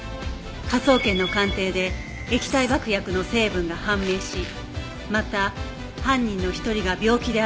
科捜研の鑑定で液体爆薬の成分が判明しまた犯人の１人が病気である事がわかった